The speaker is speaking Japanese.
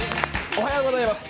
おはようございます。